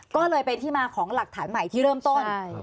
ก็เลยเป็นที่มาของหลักฐานใหม่ที่เริ่มต้น